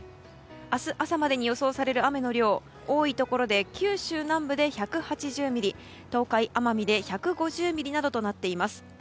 明日朝までに予想される雨の量多いところで九州南部で１８０ミリ東海、奄美で１５０ミリなどとなっています。